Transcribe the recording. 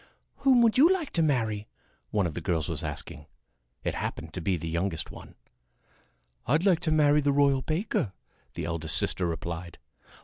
"Whom would you like to marry?" one of the girls was asking. It happened to be the youngest one. "I'd like to marry the royal baker," the eldest sister replied.